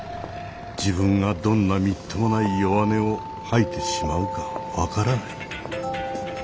自分がどんなみっともない弱音を吐いてしまうか分からない。